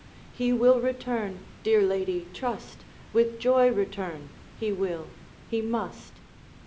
'He will return dear lady, trust! With joy return; he will he must.